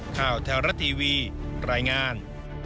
ข่าวแท้รัฐทีวีรายงาน